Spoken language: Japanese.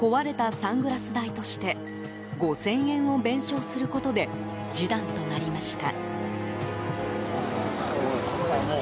サングラス代として５０００円を弁償することで示談となりました。